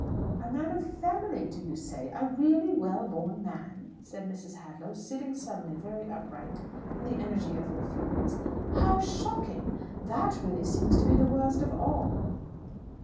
"A man of family, do you say? A really well born man?" said Mrs. Hadlow, sitting suddenly very upright in the energy of her feelings. "How shocking! That really seems to be the worst of all!"